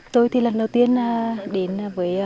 tôi thì lần đầu tiên đến với